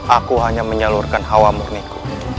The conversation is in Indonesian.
aku hanya menyalurkan hawa murniku